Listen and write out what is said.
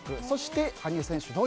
そして、羽生選手